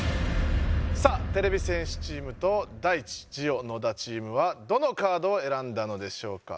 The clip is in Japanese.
さあてれび戦士チームとダイチ・ジオ野田チームはどのカードをえらんだのでしょうか。